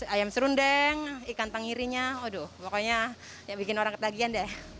ayam serundeng ikan tanggirinya aduh pokoknya yang bikin orang ketagihan deh